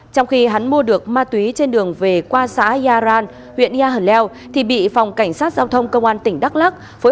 trong khi hắn mua được ma túy trên đường về qua xã yà ran huyện yaleo thì bị phòng cảnh sát giao thông công an tỉnh đắk lắc